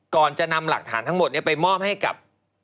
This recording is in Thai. ก่อนจะนำหลักฐานทั้งหมดไปมอบให้กับ